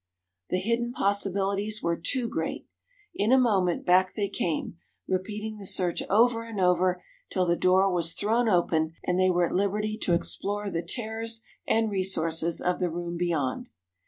The hidden possibilities were too great. In a moment back they came, repeating the search over and over, till the door was thrown open and they were at liberty to explore the terrors and resources of the room beyond.